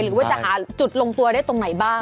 หรือว่าจะหาจุดลงตัวได้ตรงไหนบ้าง